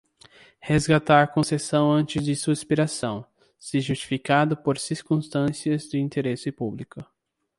Resgatar a concessão antes de sua expiração, se justificado por circunstâncias de interesse público.